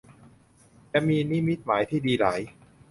จะมีนิมิตหมายที่ดีหลาย